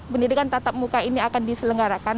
pendidikan tatap muka ini akan diselenggarakan